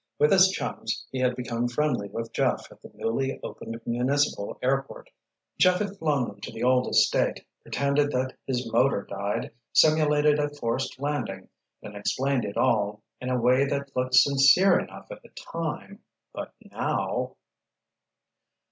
With his chums he had become friendly with Jeff at the newly opened municipal airport. Jeff had flown them to the old estate, pretended that his motor died, simulated a forced landing, then explained it all in a way that looked sincere enough at the time—but now!